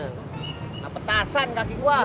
nggak petasan kaki gua